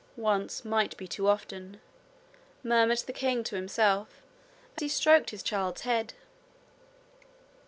'Once might be too often,' murmured the king to himself, as he stroked his child's head.